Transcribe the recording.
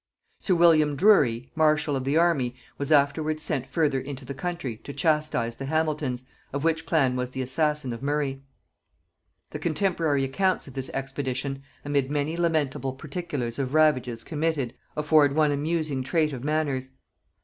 Sir William Drury, marshal of the army, was afterwards sent further into the country to chastize the Hamiltons, of which clan was the assassin of Murray. The contemporary accounts of this expedition, amid many lamentable particulars of ravages committed, afford one amusing trait of manners.